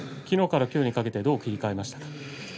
きのうから、きょうにかけてどう切り替えましたか？